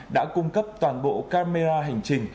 đã cung cấp toàn bộ camera hành trình